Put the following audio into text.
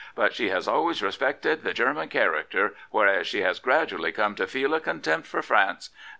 But she has always respected the Gennan character, whereas she has gradually come to feel a contempt for France